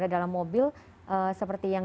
ke dalam mobil seperti yang